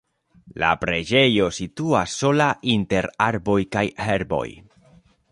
La preĝejo situas sola inter arboj kaj herboj.